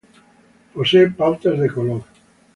Posee pautas de color.